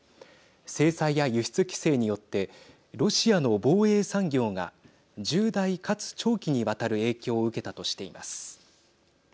制裁や輸出規制によってロシアの防衛産業が重大かつ長期にわたる影響を受けたとしています。